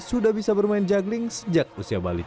sudah bisa bermain juggling sejak usia bali